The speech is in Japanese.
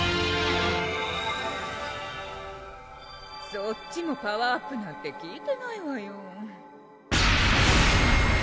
そっちもパワーアップなんて聞いてないわよ